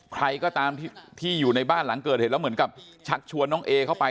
ใครก็ตามที่อยู่ในบ้านหลังเกิดเหตุแล้วเหมือนกับชักชวนน้องเอเข้าไป